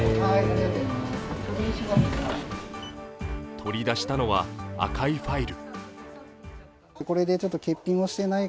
取り出したのは赤いファイル。